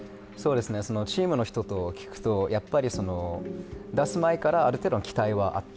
チームの人と聞くとやっぱり出す前からある程度の期待はあった。